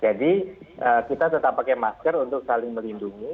jadi kita tetap pakai masker untuk saling melindungi